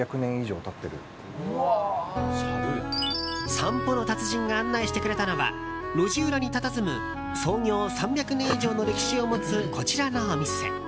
散歩の達人が案内してくれたのは路地裏にたたずむ創業３００年以上の歴史を持つこちらのお店。